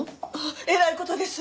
えらいことです。